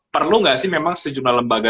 perlu nggak sih memang sejumlah lembaga